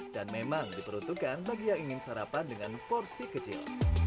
dan memang diperuntukkan bagi yang ingin sarapan dengan porsi kecil